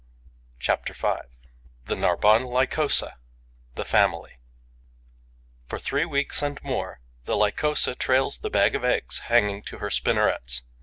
CHAPTER V: THE NARBONNE LYCOSA: THE FAMILY For three weeks and more, the Lycosa trails the bag of eggs hanging to her spinnerets.